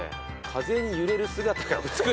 「風に揺れる姿が美しい」って。